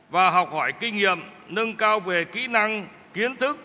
và học hỏi kinh nghiệm nâng cao về kỹ năng kiến thức